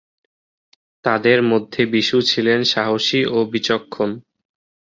তাদের মধ্যে বিশু ছিলেন সাহসী ও বিচক্ষণ।